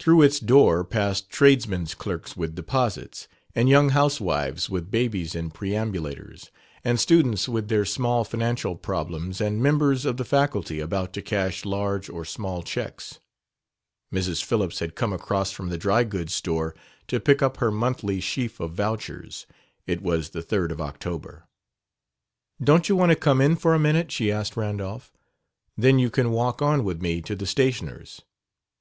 Through its door passed tradesmen's clerks with deposits, and young housewives with babies in perambulators, and students with their small financial problems, and members of the faculty about to cash large or small checks. Mrs. Phillips had come across from the dry goods store to pick up her monthly sheaf of vouchers, it was the third of October. "Don't you want to come in for a minute?" she asked Randolph. "Then you can walk on with me to the stationer's.